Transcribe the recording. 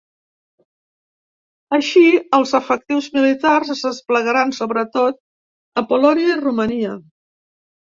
Així, els efectius militars es desplegaran sobretot a Polònia i Romania.